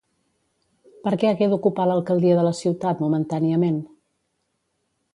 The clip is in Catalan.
Per què hagué d'ocupar l'alcaldia de la ciutat momentàniament?